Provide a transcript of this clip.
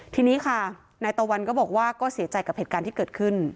ทีนี้ค่ะนายตะวันก็บอกว่าก็เสียใจกับเหตุการณ์ที่เกิดขึ้น